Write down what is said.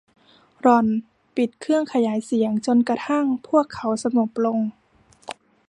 หล่อนปิดเครื่องขยายเสียงจนกระทั่งพวกเขาสงบลง